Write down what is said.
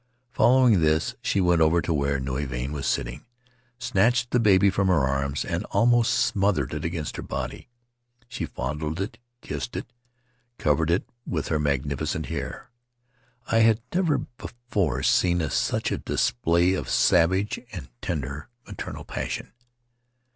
Following this, she went over to where Nui Vahine was sitting, snatched the baby from her arms, and almost smothered it against her body. She fondled it, kissed it, covered it with her magnificent hair. I had never before seen such a display of savage and tender maternal passion.